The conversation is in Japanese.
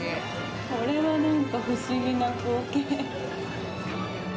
これは、なんか不思議な光景。